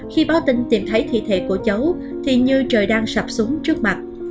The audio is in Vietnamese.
khi báo tin tìm thấy thị thể của cháu thì như trời đang sập súng trước mặt